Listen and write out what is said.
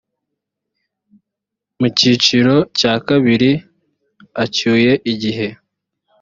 mu cyiciro cya kabiri acyuye igihe